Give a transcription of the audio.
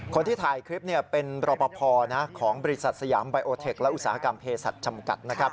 คนที่ถ่ายคลิปเป็นรอปภของบริษัทสยามไบโอเทคและอุตสาหกรรมเพศัตริย์จำกัดนะครับ